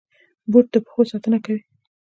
بوټ د پښو ساتنه کوي.